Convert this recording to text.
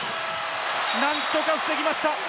何とか防ぎました。